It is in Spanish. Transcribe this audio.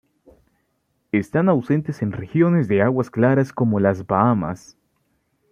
Están ausentes en regiones de aguas claras como las Bahamas.